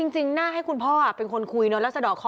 จริงน่าให้คุณพ่อเป็นคนคุยเนอะแล้วสะดอกคอ